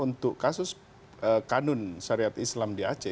untuk kasus kanun syariat islam di aceh